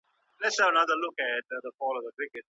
ځيني ئې مکروه او ځيني ئې حرام دي.